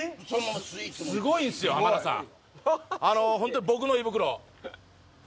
すごいんすよ浜田さん。